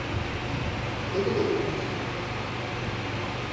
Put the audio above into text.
¿E que quedou disto?